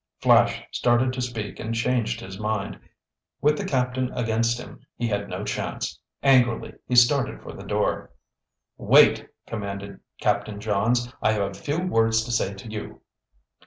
Flash started to speak and changed his mind. With the Captain against him he had no chance. Angrily, he started for the door. "Wait!" commanded Captain Johns. "I have a few words to say to you."